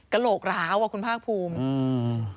กระโหลกร้าวคุณภาพภูมิ